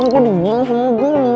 gue mau ke sini